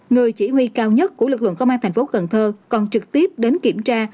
người chỉ huy cao nhất của lực lượng công an thành phố cần thơ còn trực tiếp đến kiểm tra